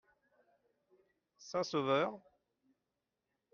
Saint-Sauveur.